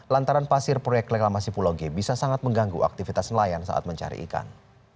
lantaran pasir proyek reklamasi pulau g bisa sangat mengganggu aktivitas nelayan saat mencari ikan